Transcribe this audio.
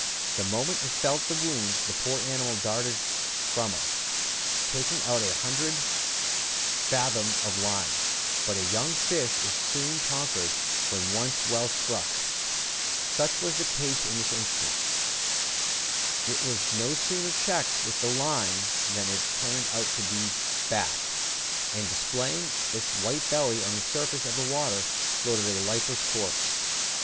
The moment it felt the wound, the poor animal darted from us, taking out a hundred fathom of line; but a young fish is soon conquered when once well struck: such was the case in this instance; it was no sooner checked with the line than it turned on its back, and, displaying its white belly on the surface of the water, floated a lifeless corpse.